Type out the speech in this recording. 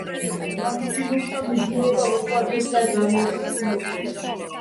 კვლა მიჯნურსა მიჯნურობა უყვარდეს და გამოსცნობდეს,